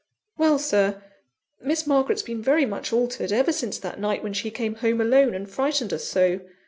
"Well, Sir, Miss Margaret's been very much altered, ever since that night when she came home alone, and frightened us so.